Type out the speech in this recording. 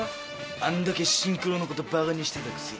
あんだけシンクロのことバカにしてたくせに？